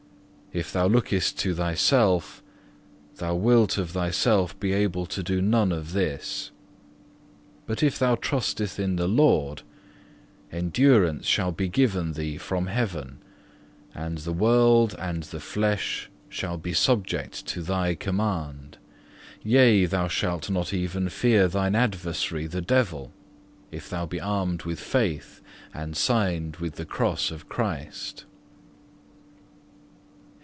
If thou lookest to thyself, thou wilt of thyself be able to do none of this; but if thou trustest in the Lord, endurance shall be given thee from heaven, and the world and the flesh shall be made subject to thy command. Yea, thou shalt not even fear thine adversary the devil, if thou be armed with faith and signed with the Cross of Christ.